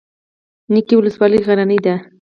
نکې ولسوالۍ غرنۍ ده؟